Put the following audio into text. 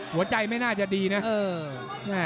หัวใจไม่น่าจะดีนะ